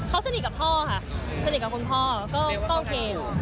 เขาสนิทกับพ่อค่ะสนิทกับคุณพ่อก็โอเคอยู่